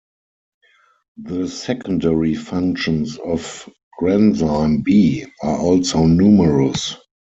The secondary functions of granzyme B are also numerous.